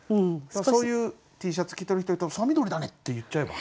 そういうＴシャツ着てる人いたら「さ緑だね」って言っちゃえば。